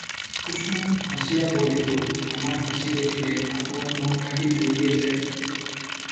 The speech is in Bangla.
কুুসুম হাসিয়া বলিল, আমার হাসি দেখলে আপনার মন নাকি জুড়িযে যায়?